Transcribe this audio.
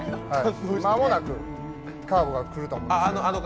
間もなくカーブが来ると思います。